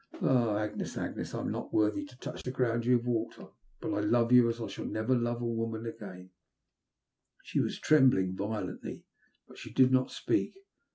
Oh, Agnes, Agnes! I am not worthy to touch the ground you have walked on, but I love you as I shall never love woman again I '* She was trembling violently, but she did not speak.